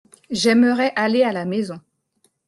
J’aimerais aller à la maison.